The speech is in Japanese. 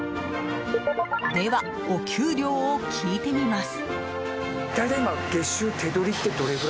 では、お給料を聞いてみます。